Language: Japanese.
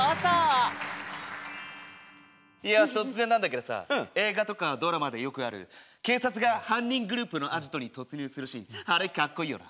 いやとつぜんなんだけどさえいがとかドラマでよくあるけいさつがはんにんグループのアジトにとつにゅうするシーンあれかっこいいよな。